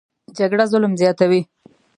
جګړه ظلم زیاتوي